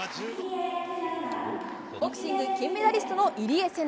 ボクシング金メダリストの入江聖奈。